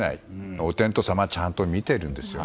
お天道様はちゃんと見ているんですよね。